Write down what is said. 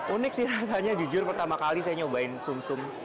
unik sih rasanya jujur pertama kali saya nyobain sum sum